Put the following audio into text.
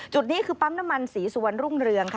จุดนี้คือปั๊มน้ำมันศรีสุวรรณรุ่งเรือง